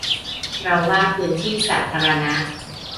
เราวาดพื้นที่สาธารณะ